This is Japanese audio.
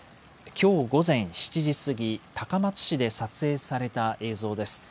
きょう午前７時過ぎ、高松市で撮影された映像です。